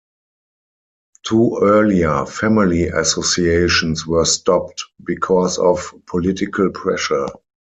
Two earlier family associations were stopped because of political pressure.